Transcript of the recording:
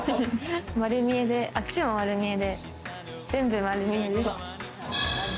丸見えで、あっちもまる見えで、全部丸見えです。